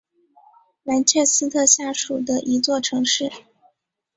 兰切斯特下属的一座城市。